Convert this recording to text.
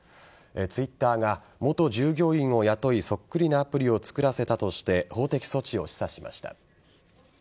Ｔｗｉｔｔｅｒは元従業員を雇いそっくりなアプリを作らせたとして法的措置を示唆しました。